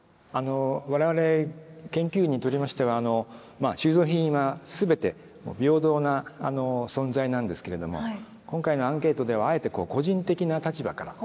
我々研究員にとりましては収蔵品は全て平等な存在なんですけれども今回のアンケートではあえて個人的な立場からということで。